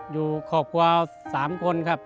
อยู่ครอบครัว๓คนครับ